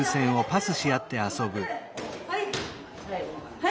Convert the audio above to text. はい。